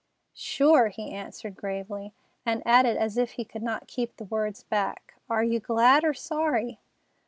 "Sure!" he answered gravely, and added as if he could not keep the words back: "Are you glad or sorry?"